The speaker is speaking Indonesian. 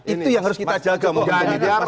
itu yang harus kita jaga